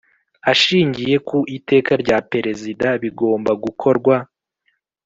Ashingiye ku iteka rya perezida bigomba gukorwa